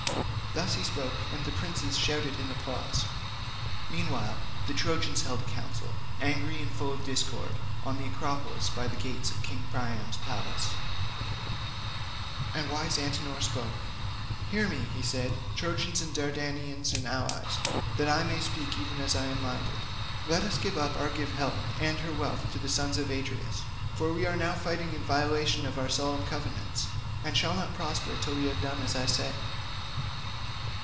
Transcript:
Thus he spoke, and the princes shouted in applause. Meanwhile the Trojans held a council, angry and full of discord, on the acropolis by the gates of King Priam's palace; and wise Antenor spoke. "Hear me," he said, "Trojans, Dardanians, and allies, that I may speak even as I am minded. Let us give up Argive Helen and her wealth to the sons of Atreus, for we are now fighting in violation of our solemn covenants, and shall not prosper till we have done as I say."